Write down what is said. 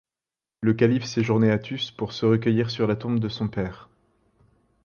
Le calife séjournait à Tus pour se recueillir sur la tombe de son père.